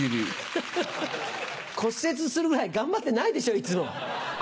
ハハハ骨折するぐらい頑張ってないでしょいつも。